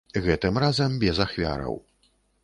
Гэтым разам без ахвяраў.